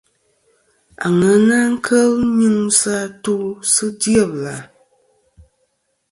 Aŋena kel nyuŋsɨ atu sɨ dyebla.